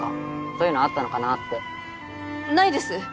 そういうのあったのかなってないです